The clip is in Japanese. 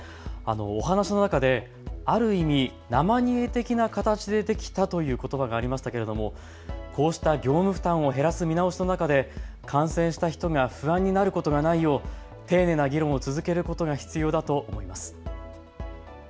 お話の中である意味、生煮え的な形でできたということばがありましたけれどもこうした業務負担を減らす見直しの中で感染した人が不安になることがないよう丁寧な議論を続けることが必要だと思います。